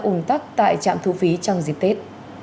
ủng tắc tại trạm thu phí trong dịp tết